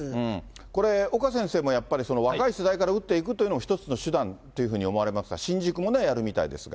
これ、岡先生もやっぱり若い世代から打っていくというのも一つの手段というふうに思われますか、新宿もね、やるみたいですが。